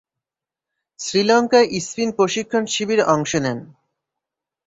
শ্রীলঙ্কায় স্পিন প্রশিক্ষণ শিবিরে অংশ নেন।